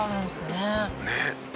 「ねえ」